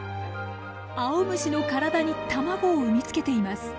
アオムシの体に卵を産み付けています。